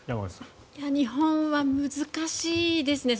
日本は難しいですね。